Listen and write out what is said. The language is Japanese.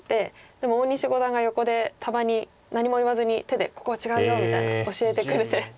でも大西五段が横でたまに何も言わずに手で「ここは違うよ」みたいな教えてくれて。